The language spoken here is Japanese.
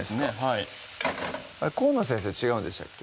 はい河野先生違うんでしたっけ？